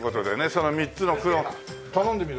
その三つの黒頼んでみる？